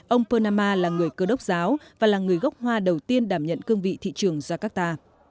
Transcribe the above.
ông pernama là người cơ đốc giáo và là người gốc hoa đầu tiên đảm nhận cương vị thị trường jakarta